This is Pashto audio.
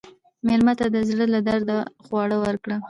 مېلمه ته د زړه له درده خواړه ورکړه.